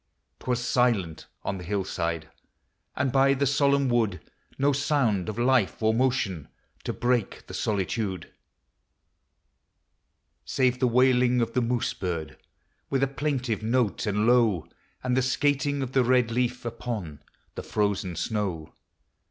'T was silent on the hill side, And by the solemn wood, No sound of life or motion To break the solitude, 108 POEMS OF FANCY. Save the wailing of the moose bird With a plaintive note and low, And the skating of the red leaf Upon the frozen snow.